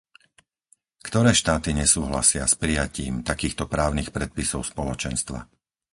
Ktoré štáty nesúhlasia s prijatím takýchto právnych predpisov Spoločenstva?